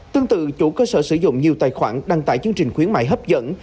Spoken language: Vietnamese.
tương tự chủ cơ sở sử dụng nhiều tài khoản đăng tải chương trình khuyến mại hấp dẫn